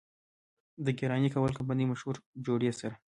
د ګيلاني کول کمپني مشهور جوړي سر،